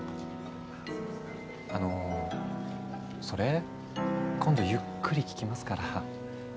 あのそれ今度ゆっくり聞きますから。